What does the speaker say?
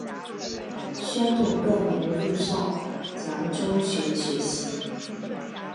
宣统二年入邵阳中学学习。